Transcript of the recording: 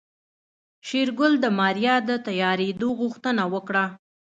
شېرګل د ماريا د تيارېدو غوښتنه وکړه.